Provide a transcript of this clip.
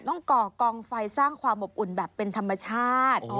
ก่อกองไฟสร้างความอบอุ่นแบบเป็นธรรมชาติ